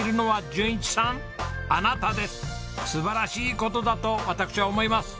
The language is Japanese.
素晴らしい事だと私は思います。